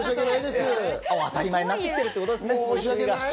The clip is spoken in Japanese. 当たり前になってきているということですね。